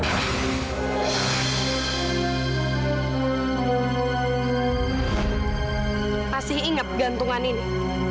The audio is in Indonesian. pasti ingat gantungan ini